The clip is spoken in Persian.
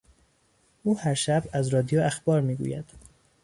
او هر شب از رادیو اخبار میگوید.